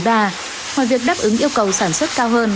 ngoài việc đáp ứng yêu cầu sản xuất cao hơn